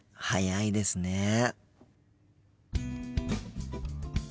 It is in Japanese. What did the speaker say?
早いですね。